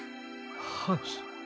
はい。